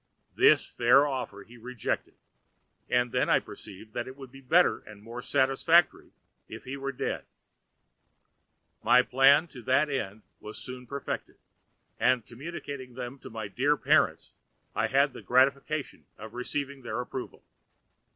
This fair offer he rejected, and I then perceived that it would be better and more satisfactory if he were dead. "My plans to that end were soon perfected, and communicating them to my dear parents I had the gratification of receiving their approval.